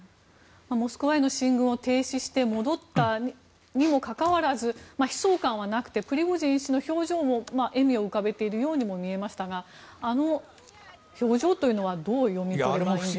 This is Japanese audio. モスクワへの進軍を停止して、戻ったにもかかわらず悲壮感はなくてプリゴジンの表情も笑みを浮かべているようにも見えましたがあの表情はどう読み取ればいいでしょうか？